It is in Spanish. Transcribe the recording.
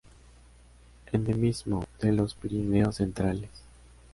Endemismo de los Pirineos centrales.